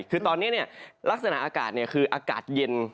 ลักษณะอากาศอามาจากอากาศเย็น